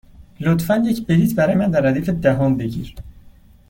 لطفا یک بلیط برای من در ردیف دهم بگیر.